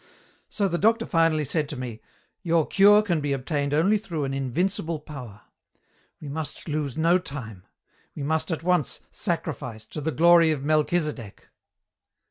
"So the doctor finally said to me, 'Your cure can be obtained only through an invincible power. We must lose no time. We must at once sacrifice to the glory of Melchisedek.'